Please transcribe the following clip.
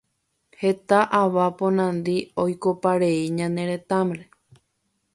Heta ava ponandi oikoparei ñane retãre.